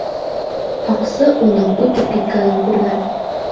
Һаҡсы уның үтеп киткәнен күргән.